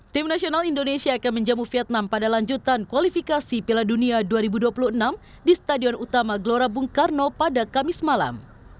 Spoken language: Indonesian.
tim nasional indonesia akan menjamu vietnam pada lanjutan kualifikasi piala dunia dua ribu dua puluh enam di stadion utama gelora bung karno pada kamis malam